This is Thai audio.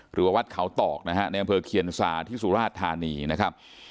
หรือว่าวัดเขาตอกนะฮะในบริเวณเกียรติศาสตร์ที่สุราชธานีนะครับ